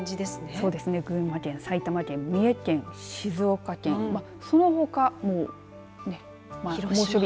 そうですね群馬県、埼玉県、三重県静岡県そのほかね猛暑日